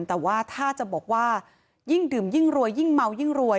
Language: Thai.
แต่ว่าถ้าจะบอกว่ายิ่งดื่มยิ่งรวยยิ่งเมายิ่งรวย